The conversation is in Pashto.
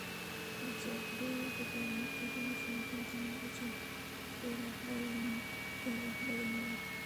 د جګړې د دایمي کېدو شونتیا هم وه چې ډېر وخت به یې نیوه.